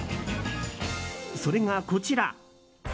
それが、こちら。